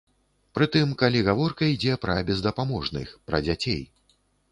Пры тым, калі гаворка ідзе пра бездапаможных, пра дзяцей.